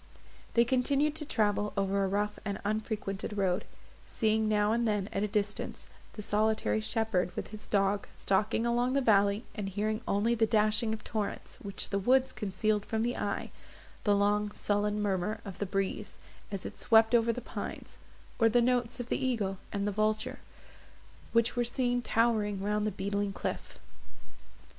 They continued to travel over a rough and unfrequented road, seeing now and then at a distance the solitary shepherd, with his dog, stalking along the valley, and hearing only the dashing of torrents, which the woods concealed from the eye, the long sullen murmur of the breeze, as it swept over the pines, or the notes of the eagle and the vulture, which were seen towering round the beetling cliff.